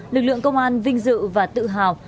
lực lượng công an vinh dự và tự hào